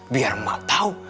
biar mak tau